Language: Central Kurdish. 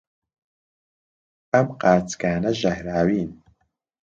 ئەم قارچکانە ژەهراوین.